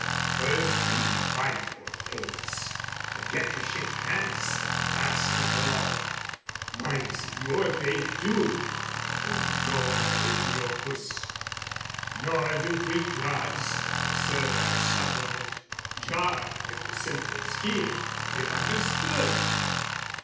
First we fight for faiths, But get to shake hands at the last of all: Mine's your faith too, in Jove Aegiochus! Nor do Greek gods, that serve as supplement, Jar with the simpler scheme, if understood.